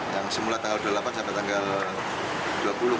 yang semula tanggal dua puluh delapan sampai tanggal dua puluh